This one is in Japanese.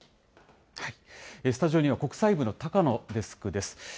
スタジオには国際部の高野デスクです。